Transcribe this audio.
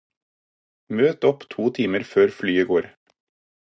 Møt opp to timer før flyet går.